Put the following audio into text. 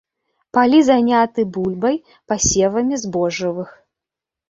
Палі заняты бульбай, пасевамі збожжавых.